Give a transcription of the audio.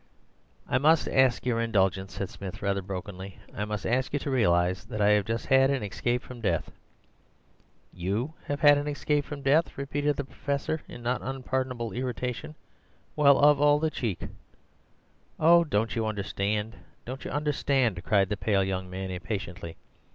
"'I must ask your indulgence,' said Smith, rather brokenly. 'I must ask you to realize that I have just had an escape from death.' "'YOU have had an escape from death?' repeated the Professor in not unpardonable irritation. 'Well, of all the cheek—' "'Oh, don't you understand, don't you understand?' cried the pale young man impatiently.